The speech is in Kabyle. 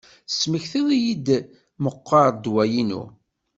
Tesmektiḍ-iyi-d meqqar ddwa-inu.